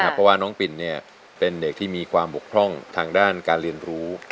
เพราะว่าน้องปิ่นเป็นเด็กที่มีความบกพร่องทางด้านการเรียนรู้